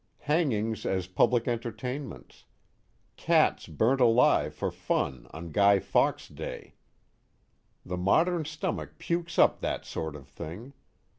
Hangings as public entertainments. Cats burnt alive for fun on Guy Fawkes Day. The modern stomach pukes up that sort of thing.